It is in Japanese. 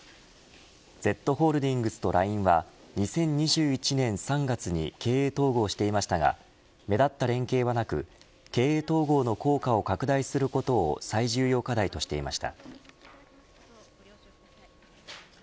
ＺホールディングスとＬＩＮＥは２０２１年３月に経営統合していましたが目立った連携はなく経営統合の効果を拡大することを最重要課題としていました。